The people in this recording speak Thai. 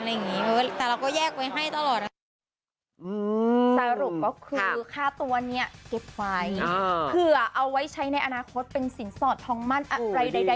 ซาลูกก็คือค่าตัวเนี่ยเก็บไว้เผื่อว่าออกไว้ใช้ในอาณาคตเป็นสินสอดทองมันอะไรใดไป